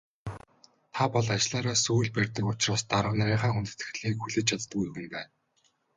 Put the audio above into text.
Та бол ажлаараа сүүл барьдаг учраас дарга нарынхаа хүндэтгэлийг хүлээж чаддаггүй хүн байна.